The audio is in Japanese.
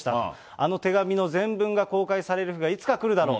あの手紙の全文が公開される日がいつか来るだろう。